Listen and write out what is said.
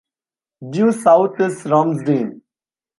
Due south is Ramsden.